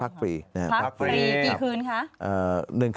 พักฟรีกี่คืนคะ